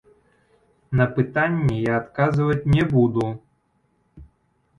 На пытанні я адказваць не буду!